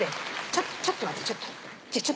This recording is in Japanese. ちょっとちょっと待ってちょっと。